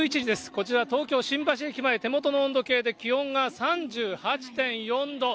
こちら、東京・新橋駅前、手元の温度計で気温が３８．４度。